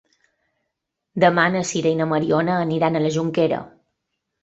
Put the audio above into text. Demà na Sira i na Mariona aniran a la Jonquera.